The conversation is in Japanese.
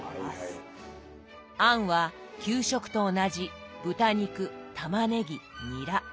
餡は給食と同じ豚肉たまねぎニラ。